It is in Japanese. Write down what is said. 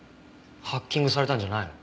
ハッキングされたんじゃないの？